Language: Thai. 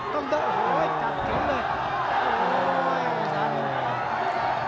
ต้องเด้อโหยจัดแข็งเลยโอ้โหยอาจารย์